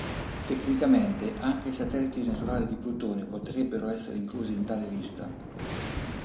Tecnicamente, anche i satelliti naturali di Plutone potrebbero essere inclusi in tale lista.